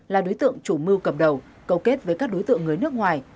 là đối tượng chủ mưu cầm đầu cầu kết với các đối tượng người nước ngoài